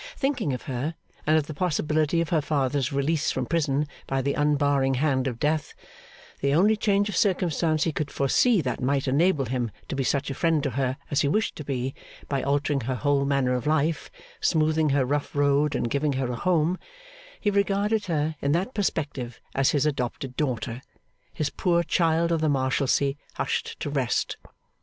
Thinking of her, and of the possibility of her father's release from prison by the unbarring hand of death the only change of circumstance he could foresee that might enable him to be such a friend to her as he wished to be, by altering her whole manner of life, smoothing her rough road, and giving her a home he regarded her, in that perspective, as his adopted daughter, his poor child of the Marshalsea hushed to rest.